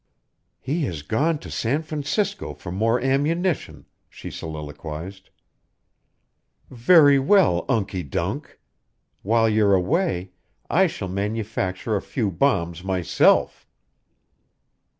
"He has gone to San Francisco for more ammunition," she soliloquized. "Very well, Unkie dunk! While you're away, I shall manufacture a few bombs myself."